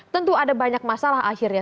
tentu ada banyak masalah akhirnya